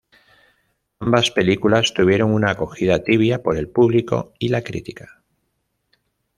Ambas películas tuvieron una acogida tibia por el público y la crítica.